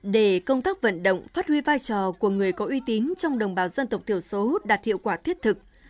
để công tác vận động phát huy vai trò của người có uy tín trong đồng bào dân tộc thiểu số đạt hiệu quả thiết thực